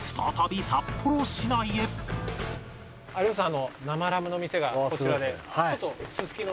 有吉さん。